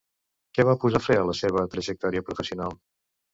Què va posar fre a la seva trajectòria professional?